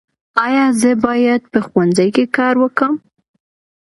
ایا زه باید په ښوونځي کې کار وکړم؟